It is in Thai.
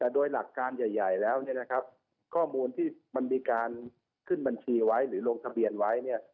แต่โดยหลักการใหญ่แล้วข้อมูลที่มันมีการขึ้นบัญชีไว้หรือลงทะเบียนไว้